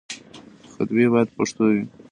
خطبې بايد په پښتو وي.